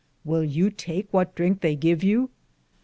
Will you take what drinke they give you